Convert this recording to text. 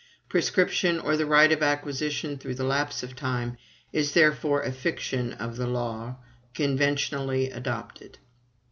Prescription, or the right of acquisition through the lapse of time, is, therefore, a fiction of the law, conventionally adopted.